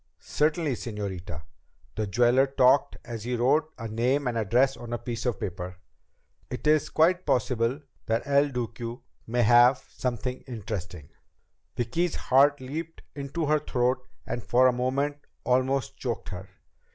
"Certainly, señorita." The jeweler talked as he wrote a name and address on a piece of paper. "It is quite possible that El Duque may have something interesting ..." Vicki's heart leaped into her throat and for a moment almost choked her.